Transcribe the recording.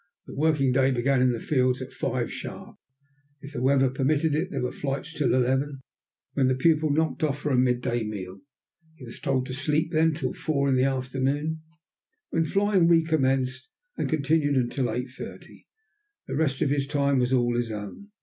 The working day began in the fields at 5 sharp. If the weather permitted there were flights till 11, when the pupil knocked off for a midday meal. He was told to sleep then till 4 in the afternoon, when flying recommenced, and continued till 8.30. The rest of his time was all his own.